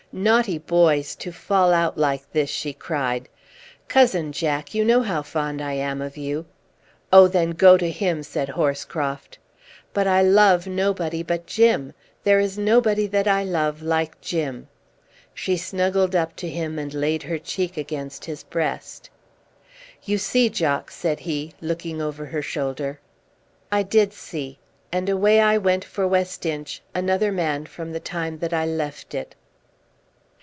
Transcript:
"Naughty boys, to fall out like this!" she cried. "Cousin Jack, you know how fond I am of you." "Oh, then go to him!" said Horscroft. "But I love nobody but Jim. There is nobody that I love like Jim." She snuggled up to him, and laid her cheek against his breast. "You see, Jock!" said he, looking over her shoulder. I did see; and away I went for West Inch, another man from the time that I left it.